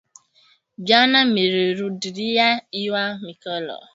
Jana mirirudiliya lwa mikulu